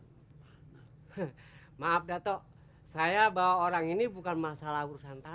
maaf dato saya bawa orang ini bukan masalah urusan tanah